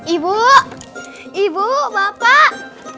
ibu ibu bapak